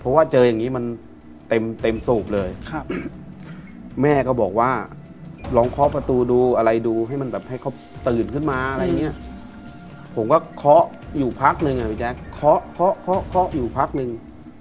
เพราะว่าเจออย่างนี้มันเต็มเต็มสูบเลยครับแม่ก็บอกว่าลองเคาะประตูดูอะไรดูให้มันแบบให้เขาตื่นขึ้นมาอะไรอย่างเงี้ยผมก็เคาะอยู่พักนึงอ่ะพี่แจ๊คเคาะเคาะเคาะอยู่พักนึง